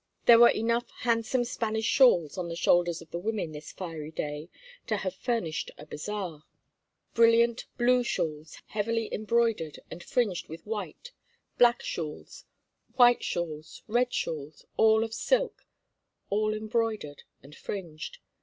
There were enough handsome Spanish shawls on the shoulders of the women this fiery day to have furnished a bazaar—brilliant blue shawls heavily embroidered and fringed with white, black shawls, white shawls, red shawls, all of silk, all embroidered and fringed.